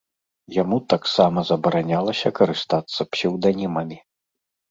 Яму таксама забаранялася карыстацца псеўданімамі.